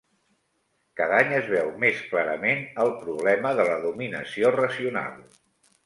Cada any es veu més clarament el problema de la dominació racional.